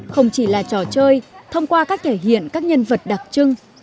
không chỉ là trò chơi thông qua cách thể hiện các nhân vật đặc trưng